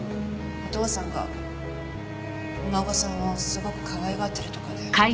お父さんがお孫さんをすごくかわいがってるとかで。